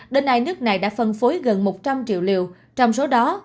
đến nay nước này đã phân phối gần một trăm linh triệu liều trong số đó